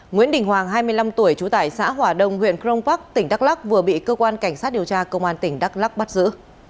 nguyễn đình hoàng hai mươi năm tuổi trú tại xã hòa đông huyện crong park tỉnh đắk lắc vừa bị cơ quan cảnh sát điều tra công an tỉnh đắk lắc bắt giữ